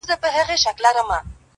« هغه ځای سوځي چي اور ورباندي بل وي» -